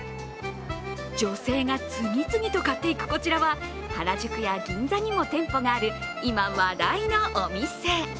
女性が次々と買っていくこちらは、原宿や銀座にも店舗がある今、話題のお店。